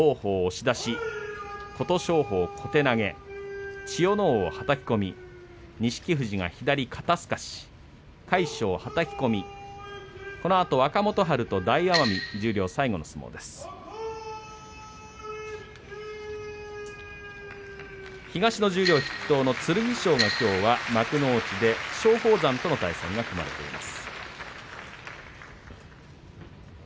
東の十両筆頭の剣翔がきょうは幕内で松鳳山との対戦が組まれています。